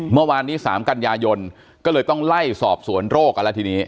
เมื่อวานนี้๓กันยายนก็เลยต้องไล่สอบสวนโรคกันแล้วทีนี้